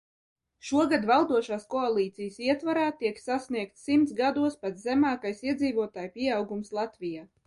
Šogad valdošās koalīcijas ietvarā tiek sasniegts simts gados pats zemākais iedzīvotāju pieaugums Latvijā.